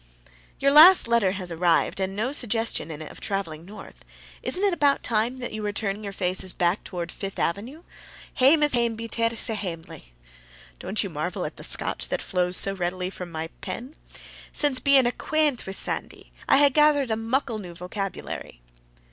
Your last letter has arrived, and no suggestion in it of traveling North. Isn't it about time that you were turning your faces back toward Fifth Avenue? Hame is hame, be 't ever sae hamely. Don't you marvel at the Scotch that flows so readily from my pen? Since being acquent' wi' Sandy, I hae gathered a muckle new vocabulary.